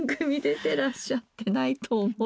てらっしゃってないと思うけれど。